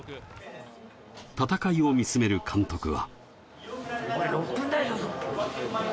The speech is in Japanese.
戦いを見つめる監督は。